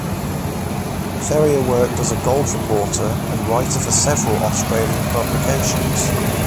Ferrier worked as a golf reporter and writer for several Australian publications.